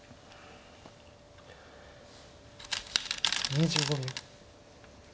２５秒。